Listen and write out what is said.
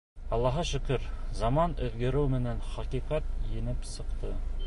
Аллаға шөкөр, заман үҙгәреү менән хәҡиҡәт еңеп сыҡты.